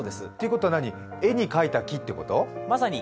ことは、何、絵に描いた木ってこと？